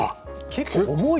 結構重い。